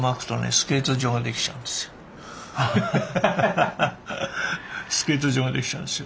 スケート場ができちゃうんですよ。